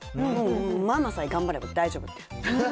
ママさえ頑張れば大丈夫っていう。